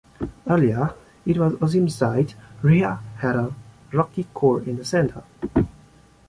Earlier it was assumed that Rhea had a rocky core in the center.